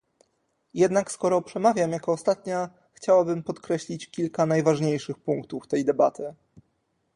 Jednak skoro przemawiam jako ostatnia, chciałabym podkreślić kilka najważniejszych punktów tej debaty